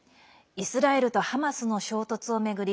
イスラエルとハマスの衝突を巡り